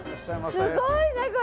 すごいねこれ！